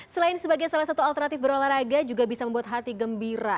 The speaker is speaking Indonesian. selain sebagai salah satu alternatif berolahraga juga bisa membuat hati gembira